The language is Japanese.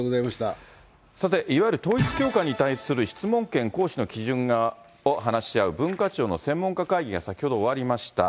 さて、いわゆる統一教会に対する質問権行使の基準を話し合う文化庁の専門家会議が先ほど終わりました。